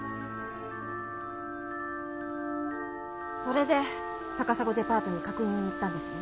それで高砂デパートに確認に行ったんですね。